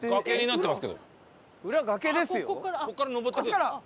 こっちから？